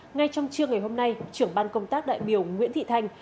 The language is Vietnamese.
ngay trong trưa ngày hôm nay trưởng ban công tác đại biểu nguyễn thị thanh